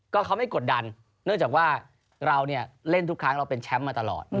ก็เขาไม่กดดันเนื่องจากว่าเราเนี่ยเล่นทุกครั้งเราเป็นแชมป์มาตลอด